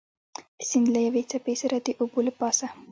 د سیند له یوې څپې سره د اوبو له پاسه.